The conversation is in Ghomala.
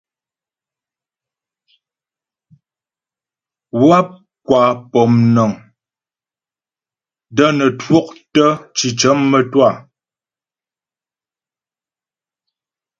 Wáp kwa pɔmnəŋ də́ nə twɔktə́ cicə mə́twâ.